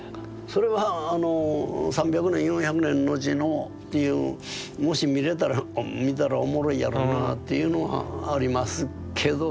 それはあの３００年４００年のちのっていうもし見れたら見たらおもろいやろなあっていうのはありますけど。